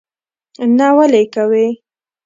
نه ولي یې کوې?